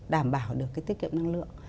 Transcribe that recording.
đảm bảo được cái tiết kiệm năng lượng